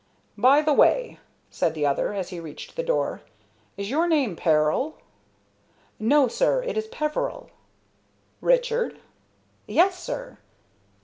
"By the way," said the other, as he reached the door, "is your name Peril?" "No, sir; it is Peveril." "Richard?" "Yes, sir."